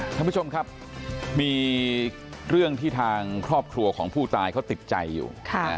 ท่านผู้ชมครับมีเรื่องที่ทางครอบครัวของผู้ตายเขาติดใจอยู่